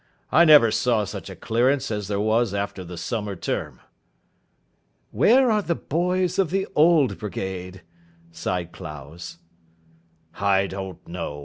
I never saw such a clearance as there was after the summer term." "Where are the boys of the Old Brigade?" sighed Clowes. "I don't know.